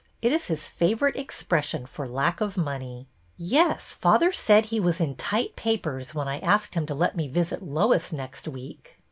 It is his favorite expression for lack of money." '' Yes, father said he was ' in tight papers ' when I asked him to let me visit Lois next week."